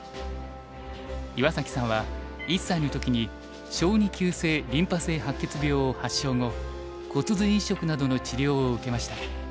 岩崎さんは１歳の時に小児急性リンパ性白血病を発症後骨髄移植などの治療を受けました。